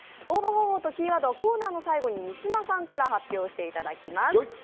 応募方法とキーワードはコーナーの最後に三島さんか発表していただきます。